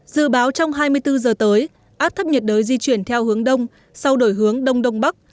dự báo trong hai mươi bốn giờ tới áp thấp nhiệt đới di chuyển theo hướng đông sau đổi hướng đông đông bắc